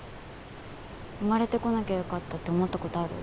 生まれてこなきゃよかったって思った事ある？